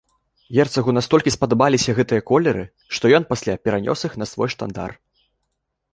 Герцагу настолькі спадабаліся гэтыя колеры, што ён пасля перанёс іх на свой штандар.